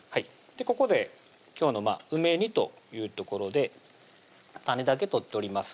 ここで今日の「梅煮」というところで種だけ取っております